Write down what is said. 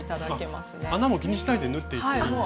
穴も気にしないで縫っていっていいんですね。